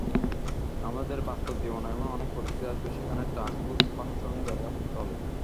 আমাদের বাস্তব জীবনে এমন অনেক পরিস্থিতি আসবে যেখানে ট্রান্সপোস ফাংশনের ব্যবহার করতে হবে।